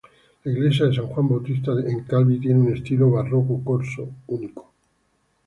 La iglesia de San Juan Bautista en Calvi, tiene un estilo "barroco corso" único.